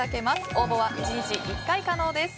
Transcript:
応募は１日１回可能です。